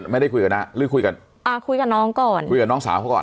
ไม่ได้คุยกันนะหรือคุยกันอ่าคุยกับน้องก่อนคุยกับน้องสาวเขาก่อน